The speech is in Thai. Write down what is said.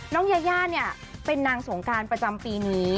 น้องยายาเป็นนางสงกรานประจำปีนี้